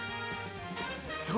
◆そう！